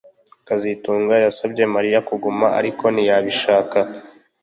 kazitunga yasabye Mariya kuguma ariko ntiyabishaka